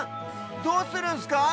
どうするんすか？